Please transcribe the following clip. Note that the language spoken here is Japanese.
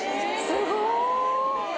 ・すごい！